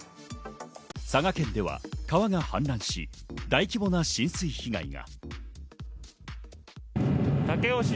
佐賀県では川が氾濫し、大規模な浸水被害が。